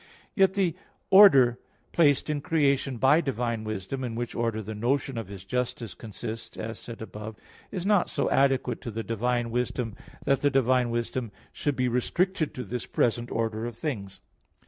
Yet the order placed in creation by divine wisdom, in which order the notion of His justice consists, as said above (Q. 21, A. 2), is not so adequate to the divine wisdom that the divine wisdom should be restricted to this present order of things.